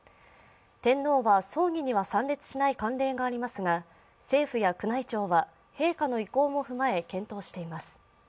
天皇は葬儀には参列しない慣例がありますが政府や宮内庁は陛下の意向も踏まえ検討しています。